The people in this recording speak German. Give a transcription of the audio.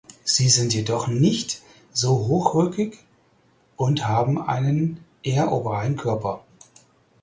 Sie sind jedoch nicht so hochrückig und haben einen eher ovalen Körper.